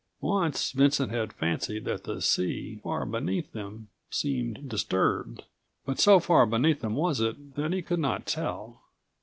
Once Vincent had fancied that154 the sea, far beneath them, seemed disturbed, but so far beneath them was it that he could not tell.